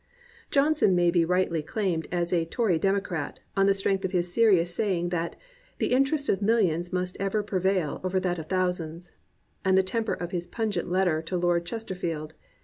Johnson may be rightly claimed as a Tory Demo crat on the strength of his serious saying that "the interest of millions must ever prevail over that of thousands," and the temper of his pungent letter to Lord Chesterfield.